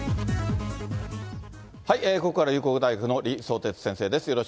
ここからは龍谷大学の李相哲先生です。